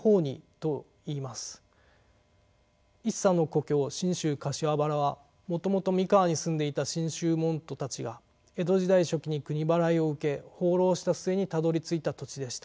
一茶の故郷信州・柏原はもともと三河に住んでいた真宗門徒たちが江戸時代初期に国払いを受け放浪した末にたどりついた土地でした。